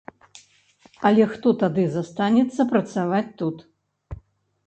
Але хто тады застанецца працаваць тут?